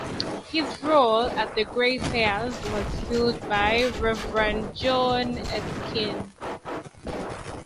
His role at Greyfriars was filled by Rev John Erskine.